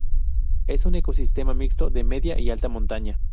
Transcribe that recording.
Es un ecosistema mixto de media y alta montaña.